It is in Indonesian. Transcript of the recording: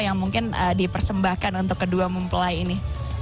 yang mungkin dipersembahkan untuk kedua mempelai ini